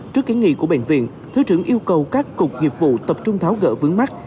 trước kiến nghị của bệnh viện thứ trưởng yêu cầu các cục nghiệp vụ tập trung tháo gỡ vướng mắt